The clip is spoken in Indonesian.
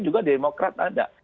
juga demokrat ada